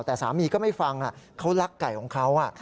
แต่สามีก็ไม่ฟังเขารักไก่ของเขา